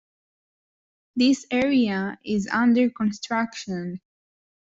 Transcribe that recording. This area is under construction.